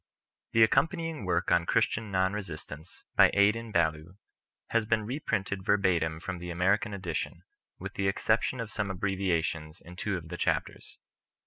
The accompanying Work on Christian Non Resistance, by Adin Ballou, has been reprinted verbatim from the American Edition, with the exception of some abbrevia tions in two of the Chapters.